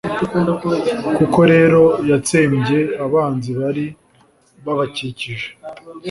koko rero, yatsembye abanzi bari babakikije